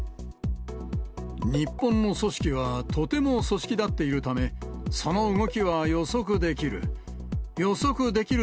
日本の組織はとても組織立っているため、その動きは予測できる。